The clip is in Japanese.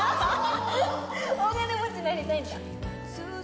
大金持ちになりたいんだ。